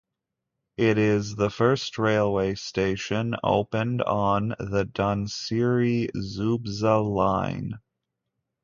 It is the first railway station opened on the Dhansiri–Zubza line.